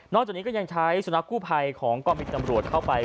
จากนี้ก็ยังใช้สุนัขกู้ภัยของกองบินตำรวจเข้าไป